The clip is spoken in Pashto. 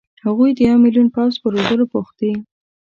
هغوی د یو ملیون پوځ په روزلو بوخت دي.